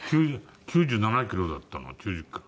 ９７キロだったのが９０キロ。